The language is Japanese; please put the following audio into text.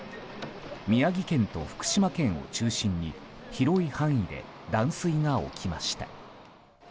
宮城県と福島県を中心に広い範囲で断水が起きました。